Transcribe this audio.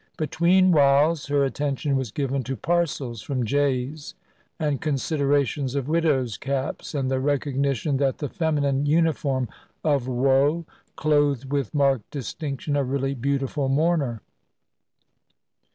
Between whiles her attention was given to parcels from Jay's, and considerations of widows' caps, and the recognition that the feminine uniform of woe clothed with marked distinction a really beautiful mourner.